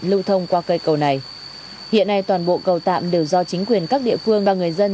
lưu thông qua cây cầu này hiện nay toàn bộ cầu tạm đều do chính quyền các địa phương và người dân